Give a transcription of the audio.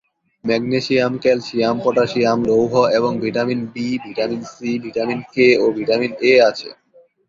Magnesium, calcium, potassium, লৌহ এবং vitamin B, vitamin C, vitamin K ও ভিটামিন এ আছে।